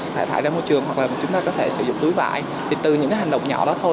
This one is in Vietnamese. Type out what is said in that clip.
xả thải ra môi trường hoặc là chúng ta có thể sử dụng túi vải thì từ những hành động nhỏ đó thôi